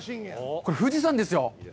これ、富士山ですよ！